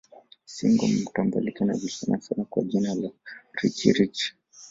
Single mtambalike anajulikana sana kwa jina la Richie Rich